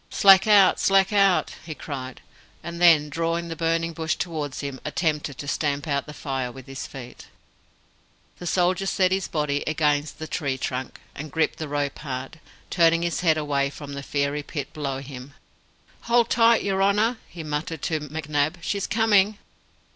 "Slack out! slack out!" he cried; and then, drawing the burning bush towards him, attempted to stamp out the fire with his feet. The soldier set his body against the tree trunk, and gripped the rope hard, turning his head away from the fiery pit below him. "Hold tight, your honour," he muttered to McNab. "She's coming!"